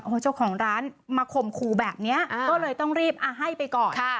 โอ้เจ้าของร้านมาข่มขู่แบบเนี้ยอ่าก็เลยต้องรีบอ่าให้ไปก่อนค่ะ